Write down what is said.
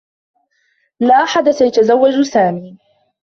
لا أحد سيتزوّج سامي.